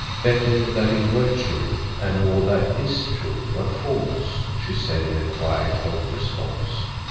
"Better that it were true, and all that is true were false," she said in a quiet, hopeless voice.